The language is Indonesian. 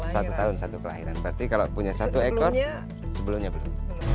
satu tahun satu kelahiran berarti kalau punya satu ekor sebelumnya belum